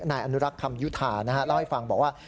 นายอนุรักษ์คำยุธาเล่าให้ฟังบอกว่า